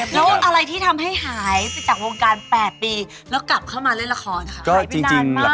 แล้วอะไรที่ทำให้หายไปจากวงการ๘ปีแล้วกลับเข้ามาเล่นละครค่ะหายไปนานมาก